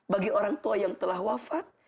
bagi orang tua yang telah wafat